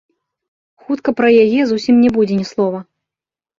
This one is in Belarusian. Хутка пра яе зусім не будзе ні слова.